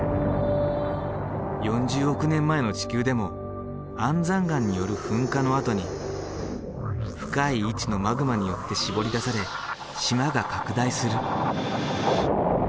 ４０億年前の地球でも安山岩による噴火のあとに深い位置のマグマによってしぼり出され島が拡大する。